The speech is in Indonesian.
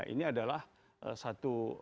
ini adalah satu